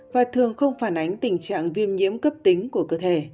và thường không phản ánh tình trạng viêm nhiễm cấp tính của cơ thể